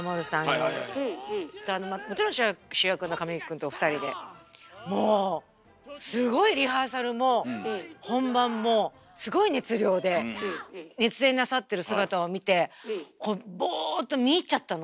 はいはいはいはい。ともちろん主役の神木くんと２人でもうすごいリハーサルも本番もすごい熱量で熱演なさってる姿を見てボーっと見入っちゃったの。